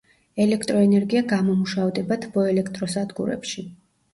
ელექტროენერგია გამომუშავდება თბოელექტროსადგურებში.